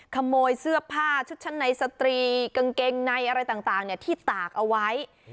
ขโมยเสื้อผ้าชุดชั้นในสตรีกางเกงในอะไรต่างที่ตากเอาไว้